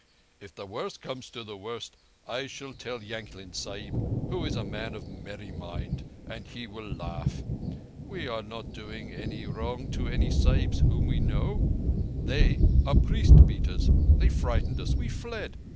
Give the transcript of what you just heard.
"If the worst comes to the worst, I shall tell Yankling Sahib, who is a man of a merry mind, and he will laugh. We are not doing any wrong to any Sahibs whom we know. They are priest beaters. They frightened us. We fled!